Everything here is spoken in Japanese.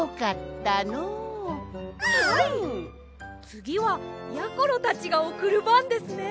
つぎはやころたちがおくるばんですね！